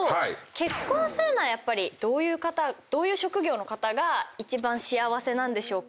結婚するならやっぱりどういう方どういう職業の方が一番幸せなんでしょうか？